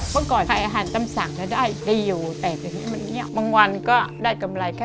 เมื่อก่อนอยากก็ไปทำผ่านสั่งประมาณ๑๐๐ต๑๙ชีวิตขนาดสองสองสักก็ไม่ได้